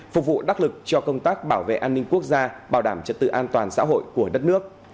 phục vụ đắc lực cho công tác bảo vệ an ninh quốc gia bảo đảm trật tự an toàn xã hội của đất nước